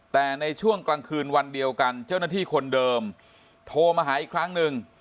แต่ในช่วงกลางคืนวันเดียวกันเจ้าหน้าที่คนเดิมโทรมาหาอีกครั้งหนึ่ง